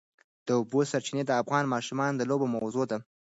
د اوبو سرچینې د افغان ماشومانو د لوبو موضوع ده.